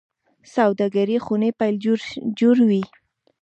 سوداګرۍ خونې پل جوړوي